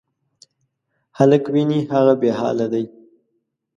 هلک وینې، هغه بېحاله دی.